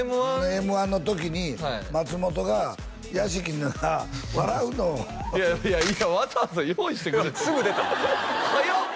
Ｍ−１Ｍ−１の時に松本が屋敷が笑うのいやいやいやわざわざ用意してくれてるすぐ出た早っ！